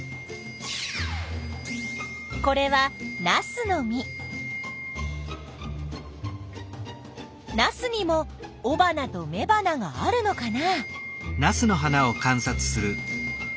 これはナスにもおばなとめばながあるのかな？